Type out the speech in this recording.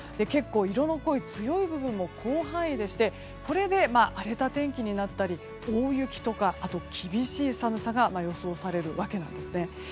結構色の濃い強い部分も広範囲でしてこれで荒れた天気になったり大雪とかあと厳しい寒さが予想されるわけなんですね。